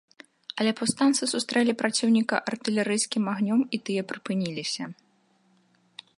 Але паўстанцы сустрэлі праціўніка артылерыйскім агнём, і тыя прыпыніліся.